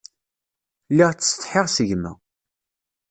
Lliɣ ttsetḥiɣ s gma.